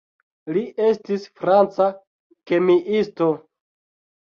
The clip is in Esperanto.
Li estis franca kemiisto.